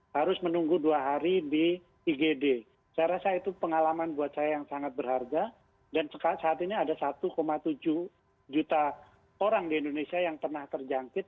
harus menunggu dua hari di igd saya rasa itu pengalaman buat saya yang sangat berharga dan saat ini ada satu tujuh juta orang di indonesia yang pernah terjangkit